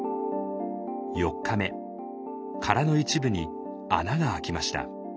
殻の一部に穴が開きました。